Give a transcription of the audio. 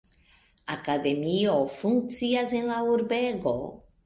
Akademio funkcias en la urbego.